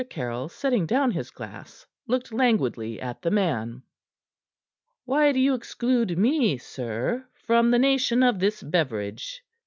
Caryll, setting down his glass, looked languidly at the man. "Why do you exclude me, sir, from the nation of this beverage?"